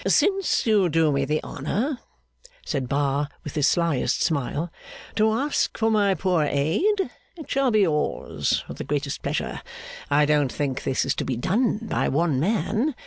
'Since you do me the honour,' said Bar, with his slyest smile, to ask for my poor aid, it shall be yours with the greatest pleasure. I don't think this is to be done by one man.